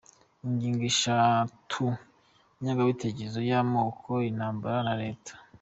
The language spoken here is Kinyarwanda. Ingingo eshatu: Ingengabitekerezo y’amoko, intambara, na Leta